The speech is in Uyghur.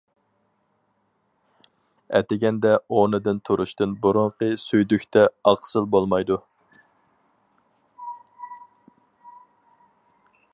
ئەتىگەندە ئورنىدىن تۇرۇشتىن بۇرۇنقى سۈيدۈكتە ئاقسىل بولمايدۇ.